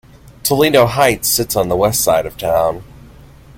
Toledo Heights sits on the west side of town.